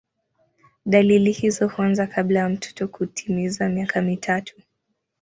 Dalili hizo huanza kabla ya mtoto kutimiza miaka mitatu.